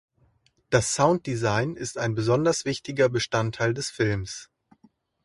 Das Sounddesign ist ein besonders wichtiger Bestandteil des Films.